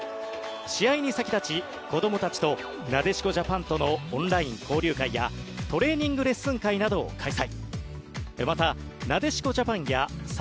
試合に先立ち子どもたちとなでしこジャパンとのオンライン交流会やトレーニングレッスン会を開催。